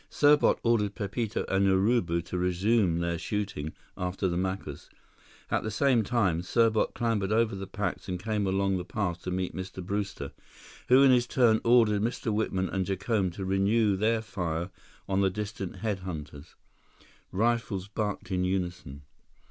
Serbot ordered Pepito and Urubu to resume their shooting after the Macus. At the same time, Serbot clambered over the packs and came along the path to meet Mr. Brewster, who in his turn ordered Mr. Whitman and Jacome to renew their fire on the distant head hunters. Rifles barked in unison.